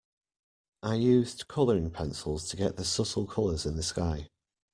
I used colouring pencils to get the subtle colours in the sky.